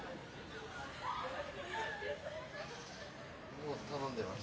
もう頼んでます。